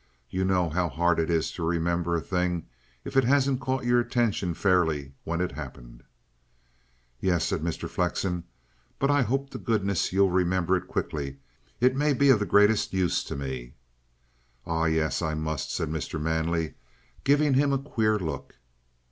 You know how hard it is to remember a thing, if it hasn't caught your attention fairly when it happened." "Yes," said Mr. Flexen. "But I hope to goodness you'll remember it quickly. It may be of the greatest use to me." "Ah, yes; I must," said Mr. Manley, giving him a queer look.